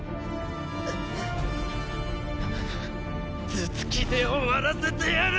頭突きで終わらせてやる！